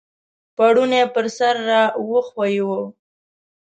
پوړنی پر سر را وښویوه !